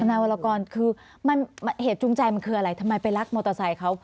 นายวรกรคือเหตุจูงใจมันคืออะไรทำไมไปรักมอเตอร์ไซค์เขา